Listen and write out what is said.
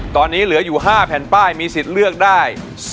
ตอนนี้เหลืออยู่๕แผ่นป้ายมีสิทธิ์เลือกได้